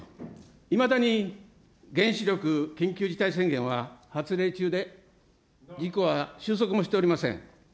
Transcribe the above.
いまだに原子力緊急事態宣言は発令中で、事故は収束もしておりません。